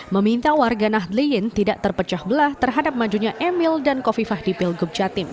meminta warga nahdliyin tidak terpecah belah terhadap majunya emil dan kofifah di pilgub jatim